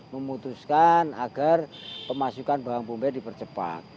memutuskan agar pemasukan bawang bombay dipercepat